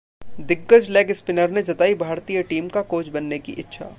दिग्गज leg spinner ने जताई भारतीय टीम का कोच बनने की इच्छा